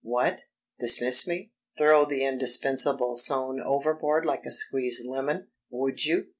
"What.... Dismiss me?... Throw the indispensable Soane overboard like a squeezed lemon?... Would you?...